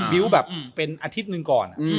วิวแบบเป็นอาทิตย์หนึ่งก่อน